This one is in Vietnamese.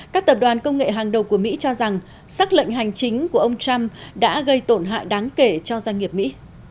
các tập đoàn công nghệ hàng đầu của mỹ cho rằng xác lệnh hành chính của ông trump đã gây tổn hại đáng kể cho doanh nghiệp mỹ